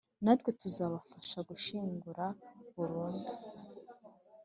natwe tuzabafasha gushyingura burundu